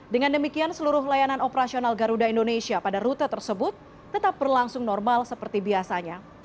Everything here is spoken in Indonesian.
dengan demikian seluruh layanan operasional garuda indonesia pada rute tersebut tetap berlangsung normal seperti biasanya